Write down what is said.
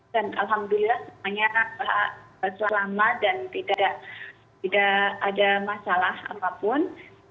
dan alhamdulillah semuanya selama dan tidak ada masalah apapun